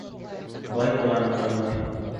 Бай туғанын танымай.